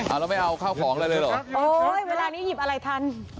เอาแล้วไม่เอาข้าวของอะไรเลยเหรอโอ้ยเวลานี้หยิบอะไรทัน